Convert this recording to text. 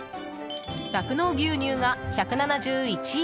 酪農牛乳が１７１円。